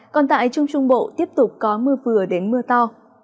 còn tại trung trung bộ tiếp tục có mưa vừa đến mưa to